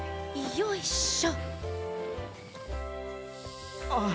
よいしょ。